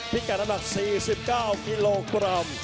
พิกัดหนัก๔๙กิโลกรัม